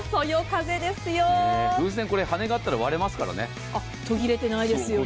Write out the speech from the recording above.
風船、これ羽根があったら割れますからね。